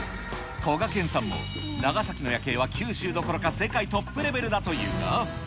こがけんさんも長崎の夜景は、九州どころか世界トップレベルだというが。